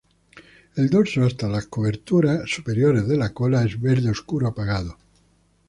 El dorso, hasta las cobertoras superiores de la cola, es verde oscuro apagado.